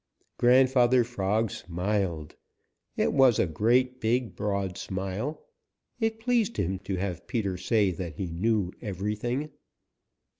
Grandfather Frog smiled. It was a great, big, broad smile. It pleased him to have Peter say that he knew everything.